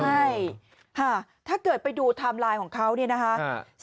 ใช่ถ้าเกิดไปดูไทม์ไลน์ของเขาเนี่ยนะคะ